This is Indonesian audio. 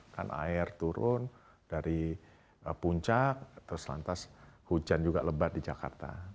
kan air turun dari puncak terus lantas hujan juga lebat di jakarta